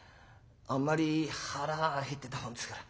あんまり腹減ってたもんですから。